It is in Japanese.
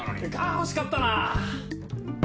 惜しかったなぁ！